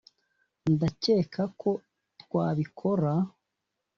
ndakeka ko twabikora)